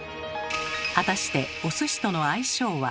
果たしてお寿司との相性は？